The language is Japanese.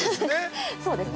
◆そうですね。